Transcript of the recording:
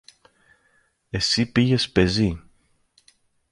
Εσύ πήγες πεζή.